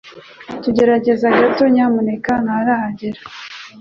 Tegereza gato nyamuneka. Ntarahagera